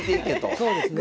そうですね。